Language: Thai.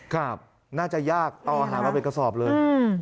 ครับน่าจะยากต่อหามาเป็นกระสอบเลย